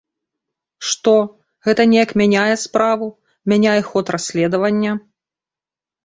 Што, гэта неяк мяняе справу, мяняе ход расследавання?